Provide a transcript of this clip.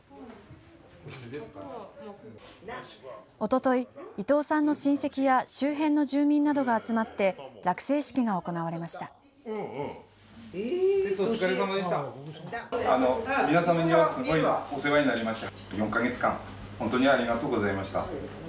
おととい伊藤さんの親戚や周辺の住民などが集まって落成式が行われました。